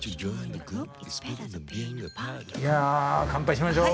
いや乾杯しましょう。